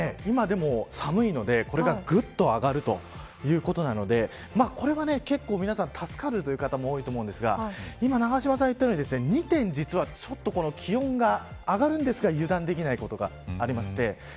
でも今、寒いのでこれがぐっと上がるということなのでこれは結構、皆さん助かるという方も多いと思うんですが今、永島さんが言ったように２点、実は気温が上がるんですが油断できないことがあります。